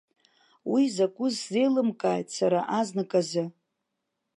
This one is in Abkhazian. Уи закәыз сзеилымкааит сара азнык азы.